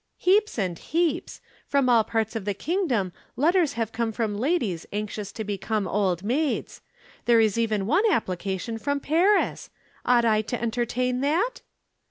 "Heaps and heaps! From all parts of the kingdom letters have come from ladies anxious to become Old Maids. There is even one application from Paris. Ought I to entertain that?"